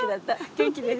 元気です。